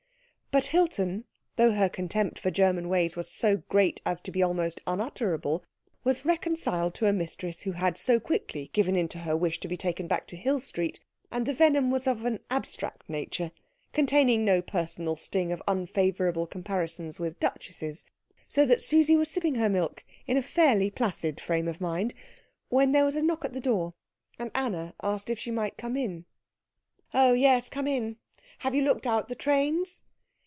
But Hilton, though her contempt for German ways was so great as to be almost unutterable, was reconciled to a mistress who had so quickly given in to her wish to be taken back to Hill Street, and the venom was of an abstract nature, containing no personal sting of unfavourable comparisons with duchesses; so that Susie was sipping her milk in a fairly placid frame of mind when there was a knock at the door, and Anna asked if she might come in. "Oh, yes, come in. Have you looked out the trains?"